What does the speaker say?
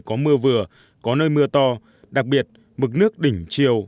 có mưa vừa có nơi mưa to đặc biệt mực nước đỉnh chiều